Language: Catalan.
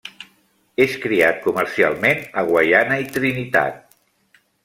És criat comercialment a Guaiana i Trinitat.